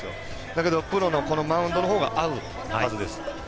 だけど、プロのマウンドのほうが合うはずです。